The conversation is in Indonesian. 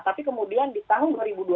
tapi kemudian di tahun dua ribu dua puluh